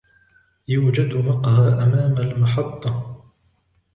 يوجد مقهى أمام المحطة.